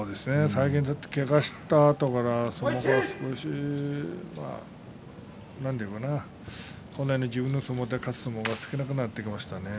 最近けがをしたあとから本来の自分の相撲で勝つ相撲が少なくなってきましたね。